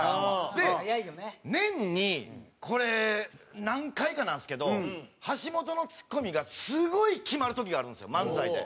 で年にこれ何回かなんですけど橋本のツッコミがすごい決まる時があるんですよ漫才で。